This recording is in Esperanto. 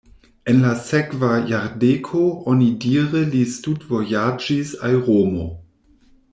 En la sekva jardeko onidire li studvojaĝis al Romo.